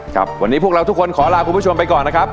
ครับวันนี้พวกเราทุกคนขอลาคุณผู้ชมไปก่อนนะครับ